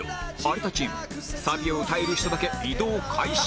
有田チームサビを歌える人だけ移動開始